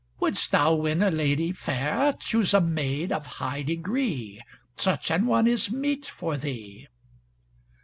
Wouldst thou win a lady fair Choose a maid of high degree Such an one is meet for thee."